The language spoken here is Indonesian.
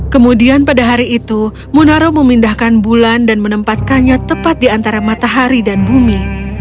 kemudian pada hari itu munaro memindahkan bulan dan menempatkannya tepat di antara matahari dan bumi